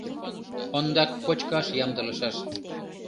Ондак кочкаш ямдылышаш.